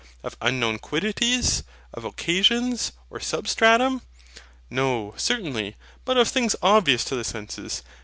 of unknown quiddities, of occasions, or SUBSTRATUM? No, certainly; but of things obvious to the senses.